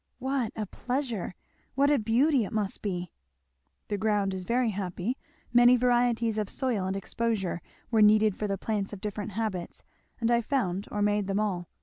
"What a pleasure! What a beauty it must be!" "The ground is very happy many varieties of soil and exposure were needed for the plants of different habits, and I found or made them all.